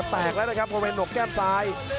แปลกแล้วนะครับเพราะเป็นหนกแก้มซ้าย